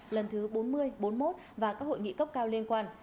lần thứ bốn mươi bốn mươi một và các hội nghị cấp cao liên quan